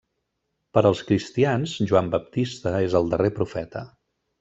Per als cristians Joan Baptista és el darrer profeta.